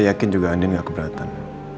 saya yakin juga andin nggak keberatan